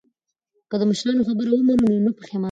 که د مشرانو خبره ومنو نو نه پښیمانیږو.